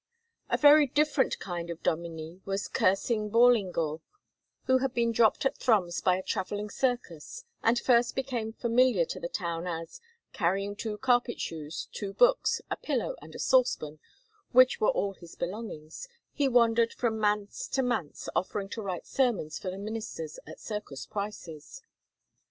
A very different kind of dominie was Cursing Ballingall, who had been dropped at Thrums by a travelling circus, and first became familiar to the town as, carrying two carpet shoes, two books, a pillow, and a saucepan, which were all his belongings, he wandered from manse to manse offering to write sermons for the ministers at circus prices.